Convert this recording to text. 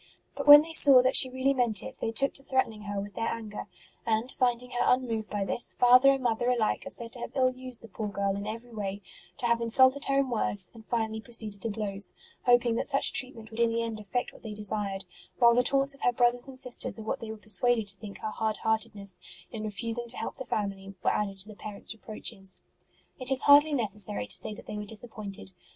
But when they saw that she really meant it, they took to threatening her with their anger ; and, finding her unmoved by this, father and mother alike are said to have ill used the poor girl in every way, to have insulted her in words, and finally proceeded to blows, hoping that such treatment would in the end effect what they desired; while the taunts of her brothers and sisters at what they were persuaded to think her hard heartedness in refusing to help the family were added to the parents reproaches. It is hardly necessary to say that they were disappointed.